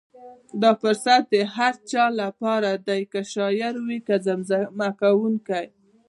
دا فرصت د هر چا لپاره دی، که شاعر وي که زمزمه کوونکی.